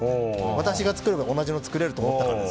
私も作れば同じの作れると思ってるから。